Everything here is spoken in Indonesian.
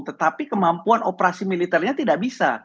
tetapi kemampuan operasi militernya tidak bisa